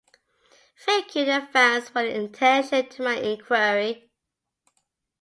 Thank you in advance for your attention to my inquiry.